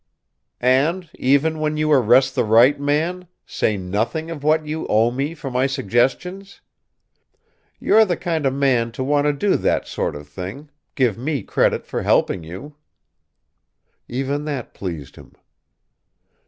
"And, even when you arrest the right man, say nothing of what you owe me for my suggestions? You're the kind of man to want to do that sort of thing give me credit for helping you." Even that pleased him.